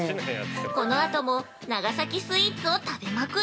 ◆このあとも長崎スイーツを食べまくり！